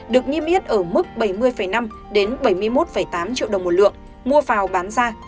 được niêm yết ở mức bảy mươi năm đến bảy mươi một tám triệu đồng một lượng mua vào bán ra